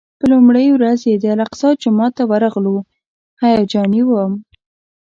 په لومړۍ ورځ چې د الاقصی جومات ته ورغلو هیجاني وم.